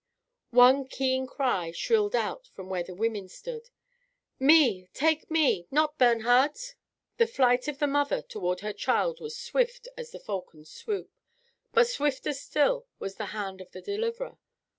One keen cry shrilled out from where the women stood: "Me! take me! not Bernhard!" The flight of the mother toward her child was swift as the falcon's swoop. But swifter still was the hand of the deliverer.